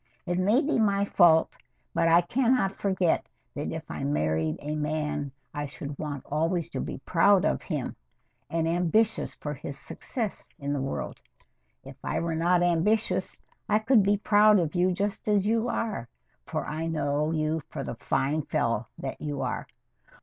It may be my fault, but I can not forget that if I married a man I should want always to be proud of him, and ambitious for his success in the world. If I were not ambitious, I could be proud of you just as you are, for I know you for the fine fellow that you are.